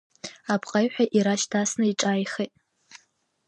Апҟаҩҳәа ирашь дасны иҿааихеит.